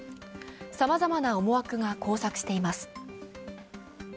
さまざまな思惑が交錯しています。